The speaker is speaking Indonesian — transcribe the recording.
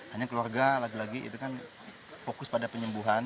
hanya keluarga lagi lagi itu kan fokus pada penyembuhan